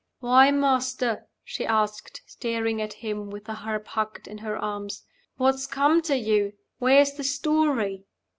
"Why, Master?" she asked, staring at him with the harp hugged in her arms. "What's come to you? where is the story?"